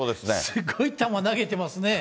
すごい球投げてますね。